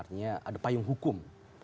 artinya ada payung hukum